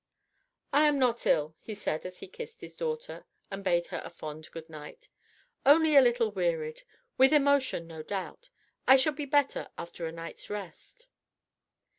"I am not ill," he said as he kissed his daughter and bade her a fond "Good night," "only a little wearied ... with emotion no doubt. I shall be better after a night's rest."